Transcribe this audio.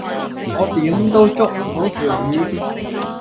我點都捉唔到條魚